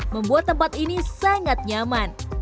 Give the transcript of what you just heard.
membuat tempat ini sangat nyaman